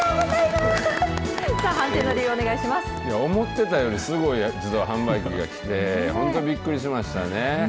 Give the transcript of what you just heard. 判定の理由、いや、思ってたよりすごい自動販売機がきて、本当びっくりしましたね。